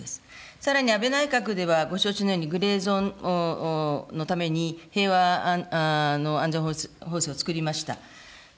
さらに、安倍内閣では、ご承知のようにグレーゾーンのために平和の安全法制を作りました。